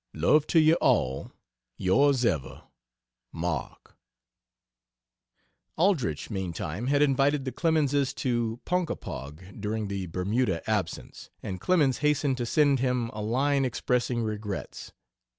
Love to you all. Yrs ever MARK Aldrich, meantime, had invited the Clemenses to Ponkapog during the Bermuda absence, and Clemens hastened to send him a line expressing regrets.